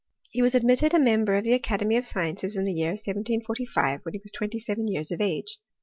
He was admitted a member of the Academy of Sciences in the year 1745, when he was twenty seven years of age.